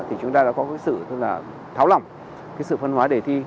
thì chúng ta đã có cái sự tháo lỏng cái sự phân hóa đề thi